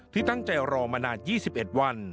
ที่ตั้งใจรอมานาน๒๑วัน